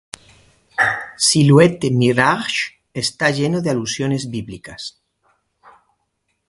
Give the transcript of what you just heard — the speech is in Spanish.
Silhouette Mirage está lleno de alusiones bíblicas.